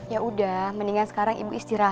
yaudah mendingan sekarang ibu istirahat ya